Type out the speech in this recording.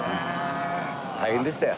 大変でしたよ。